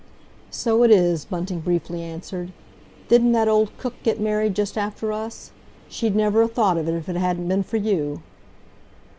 "So it is," Bunting briefly answered. "Didn't that old cook get married just after us? She'd never 'a thought of it if it hadn't been for you!"